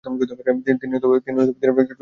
দিনে দিনে করুণার মুখ মলিন হইয়া আসিতেছে।